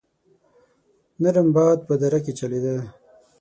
نرم باد په دره کې چلېده.